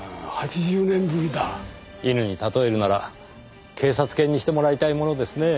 犬に例えるなら警察犬にしてもらいたいものですねぇ。